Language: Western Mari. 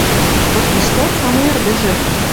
«Вот тиштӓк самой ӹрдӹжӹ: